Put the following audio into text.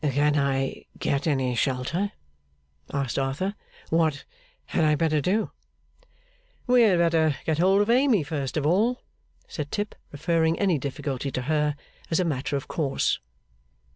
'Can I get any shelter?' asked Arthur. 'What had I better do?' 'We had better get hold of Amy first of all,' said Tip, referring any difficulty to her as a matter of course.